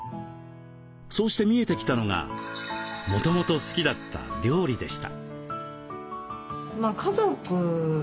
そうして見えてきたのがもともと好きだった料理でした。